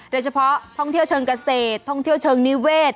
โดยเฉพาะท่องเที่ยวเชิงเกษตรท่องเที่ยวเชิงนิเวศ